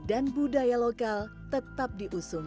dan budaya lokal tetap diusung